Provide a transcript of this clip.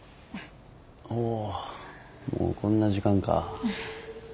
ああもうこんな時間か。